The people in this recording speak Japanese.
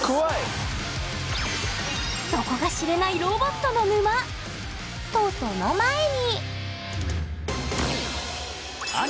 底が知れないロボットの沼！とその前に！